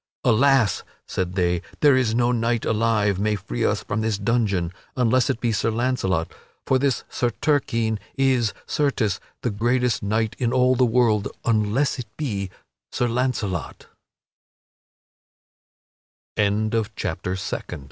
"Alas," said they, "there is no knight alive may free us from this dungeon, unless it be Sir Launcelot. For this Sir Turquine is, certes, the greatest knight in all the world, unless it be Sir La